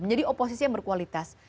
menjadi oposisi yang berkualitas